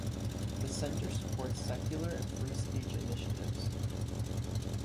The Center supports secular and free speech initiatives.